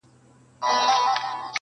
د ظالم لور,